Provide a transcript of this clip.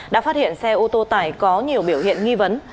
đã phát hiện xe ô tô tải có nhiều biểu hiện nghi vấn